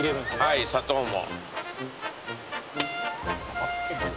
はい砂糖も。